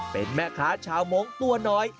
เป็นแม่ค้าชาวมงค์ตัวน้อย